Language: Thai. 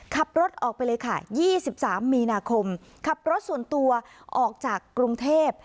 ขับรถออกไปเลยค่ะ๒๓มีนาคมขับรถส่วนตัวออกจากกรุงเทพ